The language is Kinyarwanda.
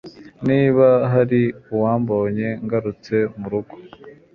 Niba hari uwambonye ngarutse murugo